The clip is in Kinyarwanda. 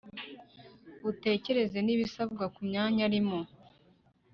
Utekereze n’ibisabwa ku mwanya arimo